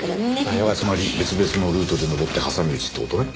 それはつまり別々のルートで登って挟み撃ちって事ね。